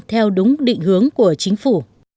theo đúng định hướng của chính phủ